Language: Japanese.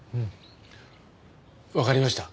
わかりました。